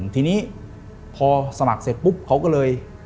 ทีนี้พอสมัครเสร็จปุ๊บเขาก็เลย